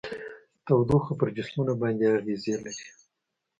تودوخه پر جسمونو باندې اغیزې لري.